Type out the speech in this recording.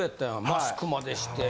マスクまでして。